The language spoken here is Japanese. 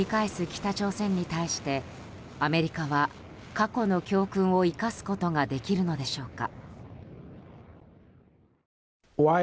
北朝鮮に対してアメリカは過去の教訓を生かすことができるのでしょうか。